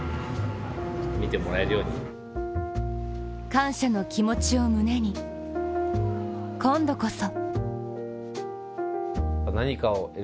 感謝の気持ちを胸に、今度こそ。